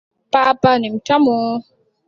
Papa ni mtamu.